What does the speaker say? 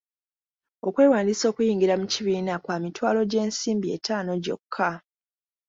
Okwewandiisa okuyingira mu kibiina kwa mitwalo gy'ensimbi etaano gyokka.